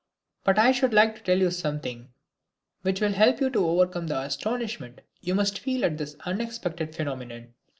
But I should like to tell you something which will help you to overcome the astonishment you must feel at this unexpected phenomenon.